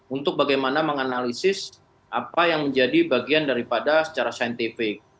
untuk bagaimana menganalisis apa yang menjadi bagian daripada secara saintifik